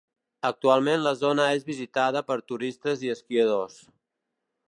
Actualment la zona és visitada per turistes i esquiadors.